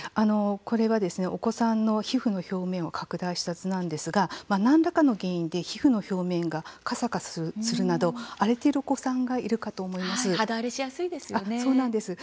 これはお子さんの皮膚の表面を拡大した図なんですが何らかの原因で皮膚の表面がかさかさするなど荒れているお子さんがいるかと肌荒れしやすいですよね。